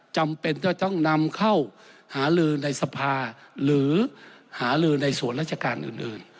จำเป็นจะต้องนำเข้าหาลือในสภาหรือหาลือในส่วนราชการอื่น